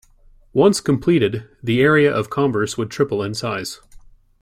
Once completed, the area of Converse would triple in size.